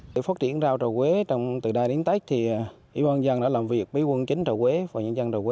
để phát triển rau trà quế từ đài đến tết thì yên bằng dân đã làm việc với quân chính trà quế và nhân dân trà quế